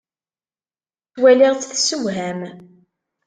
Ttwaliɣ-tt tessewham.